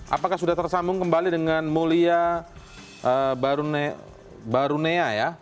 apakah sudah tersambung kembali dengan mulya barunia ya